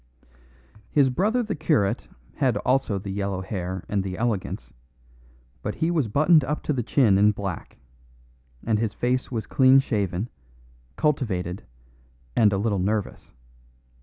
His brother the curate had also the yellow hair and the elegance, but he was buttoned up to the chin in black, and his face was clean shaven, cultivated, and a little nervous.